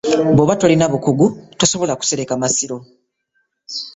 Bwoba tolina bukugu tosobola kusereka masiro.